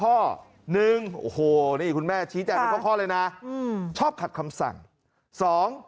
๑โอ้โหนี่คุณแม่ชี้แจก๖ข้อเลยนะชอบขัดคำสั่ง